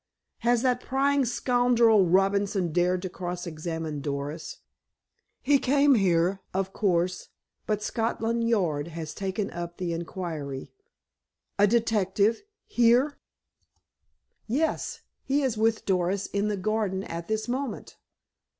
"Has that prying scoundrel, Robinson, dared to cross examine Doris?" "He came here, of course, but Scotland Yard has taken up the inquiry." "A detective—here?" "Yes. He is with Doris in the garden at this moment."